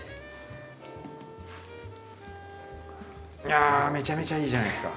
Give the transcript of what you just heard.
あめちゃめちゃいいじゃないですか。